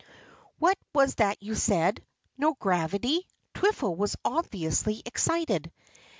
"What was that you said? no gravity?" Twiffle was obviously excited.